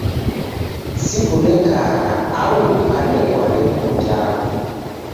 Sukunekagha, angu kanekwa ndekuw'unjagha